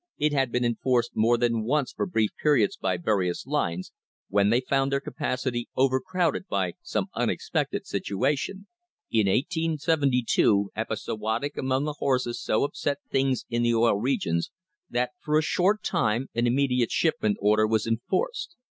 It had been enforced more than once for brief periods by various lines when they found their capacity overcrowded by some unexpected situation. In 1872 epizootic among the horses so upset things in the Oil Regions that for a short time an immediate shipment order was enforced.